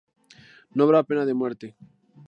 No habrá pena de muerte"".